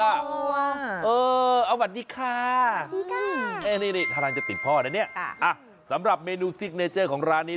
โอ๊ยว่าวันนี้ค่ะนี่ท่านจะติดพ่อนะนี่สำหรับเมนูซิกเนเจอร์ของร้านนี้